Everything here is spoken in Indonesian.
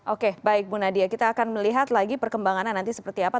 oke baik bu nadia kita akan melihat lagi perkembangannya nanti seperti apa